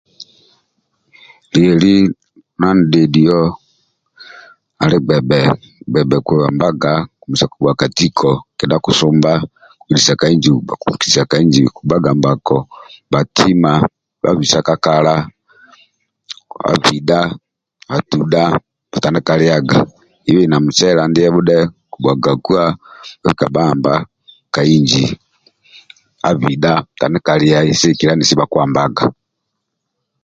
Lyeli ndia nidhediyo ali gbebe gbebe okuhambaga komesiya kubuwa katiko kedhatu kosumba koisa ka inji okukabaga mbako batima babhisa ka kala abhidha batuda butanduka lyaga na mucele andiabu dhe okubuwaga kua babhika bahamba kainji butanduka liyayi sigikilya ongoku bakihambaga